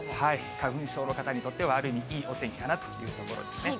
花粉症の方にとっては、ある意味、いいお天気かなというところですね。